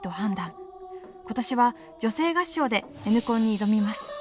今年は女声合唱でＮコンに挑みます。